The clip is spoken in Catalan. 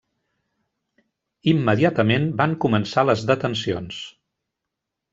Immediatament van començar les detencions.